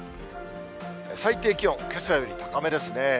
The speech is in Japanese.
最低気温、けさより高めですね。